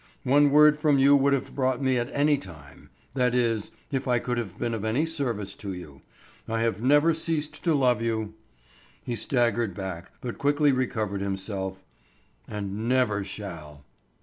One word from you would have brought me at any time; that is, if I could have been of any service to you. I have never ceased to love you—" He staggered back but quickly recovered himself—"and never shall."